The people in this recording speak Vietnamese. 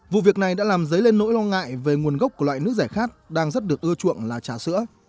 vụ việc này đã làm dấy lên nỗi lo ngại về nguồn gốc của loại nước rẻ khát đang rất được ưa chuộng là trà sữa